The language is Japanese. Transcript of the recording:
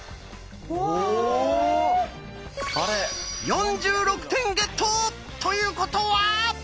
４６点ゲット！ということは！